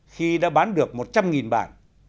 khi đã bán được một trăm linh bản